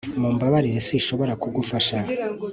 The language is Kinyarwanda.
Mumbabarire sinshobora kugufasha